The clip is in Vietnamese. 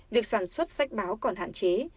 việc sản xuất sách báo còn hạn chế